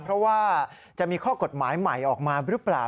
เพราะว่าจะมีข้อกฎหมายใหม่ออกมาหรือเปล่า